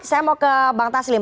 saya mau ke bang taslim